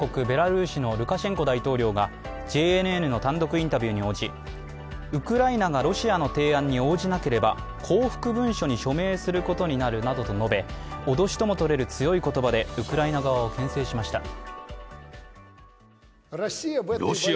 ベラルーシのルカシェンコ大統領がＪＮＮの単独インタビューに応じ、ウクライナがロシアの提案に応じなければ降伏文書に署名することになるなどと述べ脅しともとれる強い言葉でウクライナ側をけん制しました。